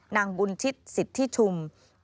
นางบุญชิตสิทธิชุม